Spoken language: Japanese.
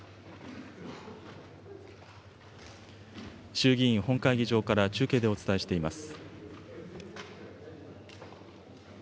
衆議院本会議場から中継でお伝えしています。